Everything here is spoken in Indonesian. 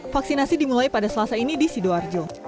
vaksinasi dimulai pada selasa ini di sidoarjo